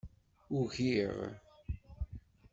Ugiɣ.